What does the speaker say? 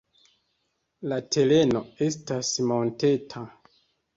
La tereno estas monteta.